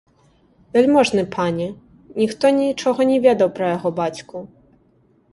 Вяльможны пане, ніхто нічога не ведаў пра яго бацьку.